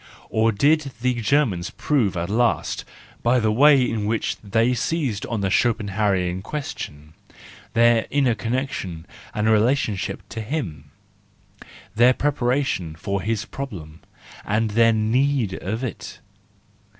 —Or did the Germans prove at least by the way in which they seized on the Schopenhaueriah question, their inner connection and relationship to him, their preparation for his problem, and their need of it